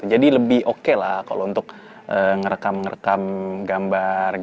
jadi lebih oke lah kalau untuk ngerekam ngerekam gambar